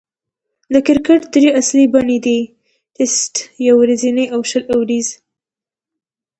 د کرکټ درې اصلي بڼې دي: ټېسټ، يو ورځنۍ، او شل اووريز.